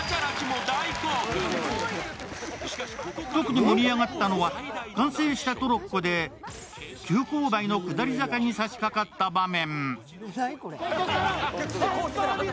特に盛り上がってのは完成したトロッコで急勾配の下り坂に差しかかった場面。